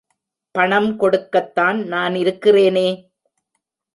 பணம் கொடுக்கத்தான் நான் இருக்கிறேனே.